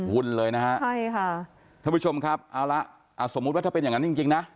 วุ่นเลยนะฮะท่านผู้ชมครับเอาละสมมุติว่าถ้าเป็นอย่างนั้นจริงนะ